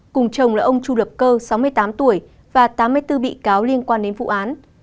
cùng chồng là ông chu lập cơ sáu mươi tám tuổi và tám mươi bốn bị cáo liên quan đến vụ án